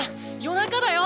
夜中だよ！